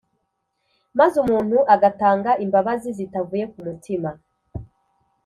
maze umuntu agatanga imbabazi zitavuye kumutima.